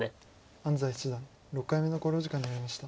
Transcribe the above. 安斎七段６回目の考慮時間に入りました。